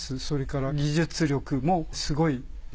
それから技術力もすごい。